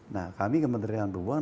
nah kami ke menteri raya perhubungan